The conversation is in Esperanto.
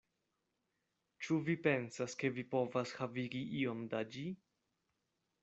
Ĉu vi pensas, ke vi povas havigi iom da ĝi?